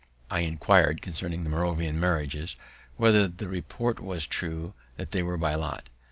I inquir'd concerning the Moravian marriages, whether the report was true that they were by lot.